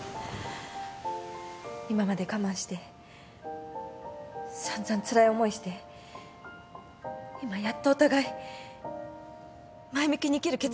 今まで我慢して散々つらい思いして今やっとお互い前向きに生きる決断をしたんです。